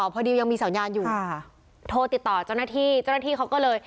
พอดิวยังมีสัญญาณอยู่โทรติดต่อเจ้าหน้าที่เจ้าหน้าที่เขาก็เลย